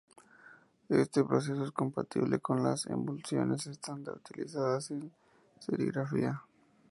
Este proceso es compatible con las emulsiones estándar utilizadas en serigrafía.